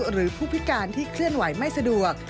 หรือผู้พิการที่เคลื่อนไหวไม่สะดวก